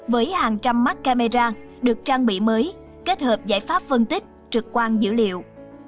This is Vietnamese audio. với hàng trăm mắt camera được trang bị mới kết hợp giải pháp phân tích trực quan dữ liệu